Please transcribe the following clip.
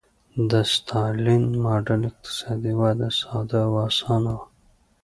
د ستالین ماډل اقتصادي وده ساده او اسانه وه